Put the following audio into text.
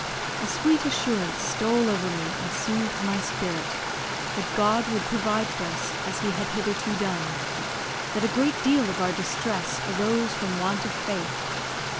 A sweet assurance stole over me, and soothed my spirit, that God would provide for us, as He had hitherto done that a great deal of our distress arose from want of faith.